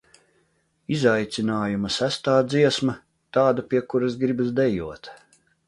Izaicinājuma sestā dziesma – tāda, pie kuras gribas dejot.